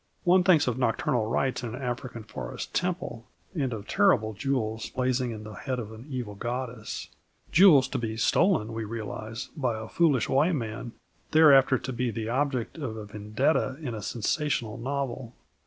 One thinks of nocturnal rites in an African forest temple and of terrible jewels blazing in the head of an evil goddess jewels to be stolen, we realise, by a foolish white man, thereafter to be the object of a vendetta in a sensational novel.